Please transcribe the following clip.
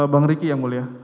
bang riki yang mulia